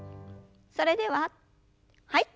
それでははい。